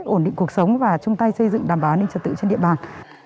ổn định cuộc sống và chung tay xây dựng đảm bảo an ninh trật tự trên địa bàn